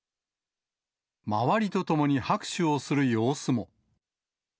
周りと共に拍手をする様子も。